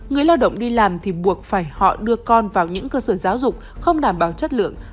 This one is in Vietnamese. người lao động đi làm thì buộc phải họ đưa con vào những cơ sở giáo dục không đảm bảo chất lượng